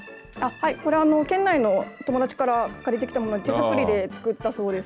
これは県内の友達から借りてきたもの、手作りで作ったそうです。